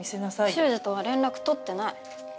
秀司とは連絡取ってない。